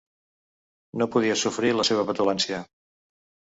No podia sofrir la seva petulància.